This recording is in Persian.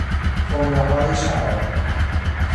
خمرههای شراب